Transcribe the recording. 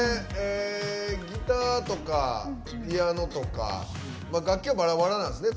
ギターとかピアノとか楽器はバラバラなんですね